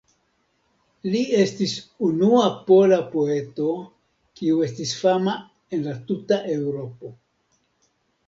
Li estis unua pola poeto kiu estis fama en la tuta Eŭropo.